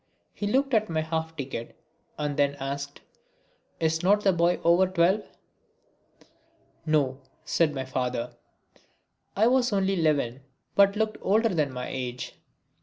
He looked at my half ticket and then asked: "Is not the boy over twelve?" "No," said my father. I was then only eleven, but looked older than my age.